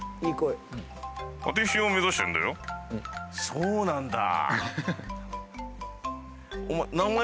そうなんだ。